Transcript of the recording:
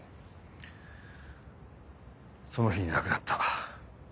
その日に亡くなった。